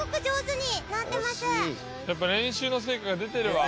やっぱ練習の成果が出てるわ。